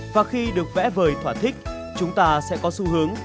và khi được vẽ vời thỏa thích chúng ta sẽ có xu hướng